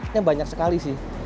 ini banyak sekali sih